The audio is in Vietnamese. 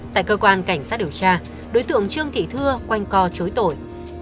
tại cơ quan cảnh sát điều tra đối tượng trương thị thưa quanh co chối tội